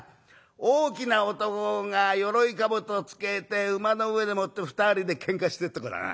大きな男が鎧兜つけて馬の上でもって二人でけんかしてっとこだな」。